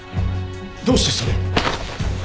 どうしてそれを！？